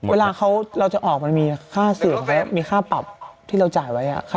เวลาเราจะออกมันมีค่าเสื่อมไว้มีค่าปรับที่เราจ่ายไว้